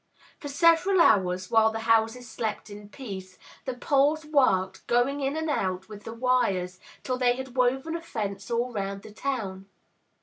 For several hours, while the houses slept in peace, the poles worked, going in and out with the wires till they had woven a fence all round the town.